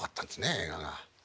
映画が。